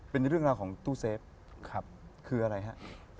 เป็นเรื่องราวของตู้เซฟคืออะไรฮะครับ